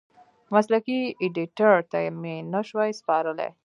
مسلکي ایډېټر ته مې نشوای سپارلی.